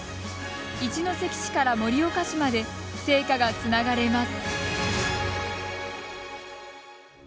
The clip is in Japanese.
一関市から盛岡市まで聖火がつながれます。